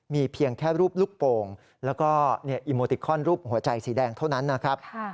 มีเพียงแค่รูปลูกโป่งแล้วก็อีโมติคอนรูปหัวใจสีแดงเท่านั้นนะครับ